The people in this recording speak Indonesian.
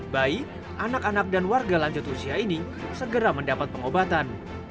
bayi anak anak dan warga lanjut usia ini segera mendapat pengobatan